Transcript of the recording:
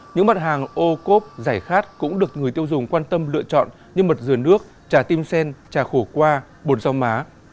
những mặt hàng ô cốp giải khát cũng được người tiêu dùng quan tâm lựa chọn như mật dừa nước trà tim sen trà khổ qua bột rau má